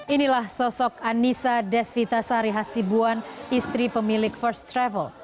inilah sosok anissa desvitasa rihasibuan istri pemilik first travel